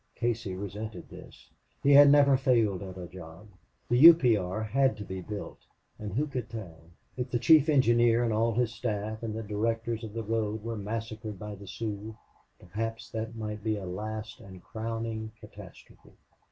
Casey resented this. He had never failed at a job. The U. P. R. had to be built and who could tell? if the chief engineer and all his staff and the directors of the road were massacred by the Sioux, perhaps that might be a last and crowning catastrophe.